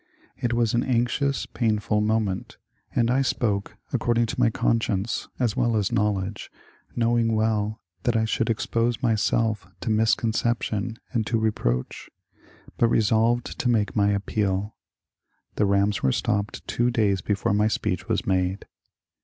It was an anxious, painful moment, and I spoke according to my conscience as well as knowledge, knowing well that I should expose myself to mis conception and to reproach, but resolved to make my appeal. 17^ rams were stopped two days before my speech was made.